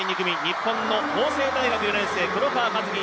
日本の法政大学４年生黒川和樹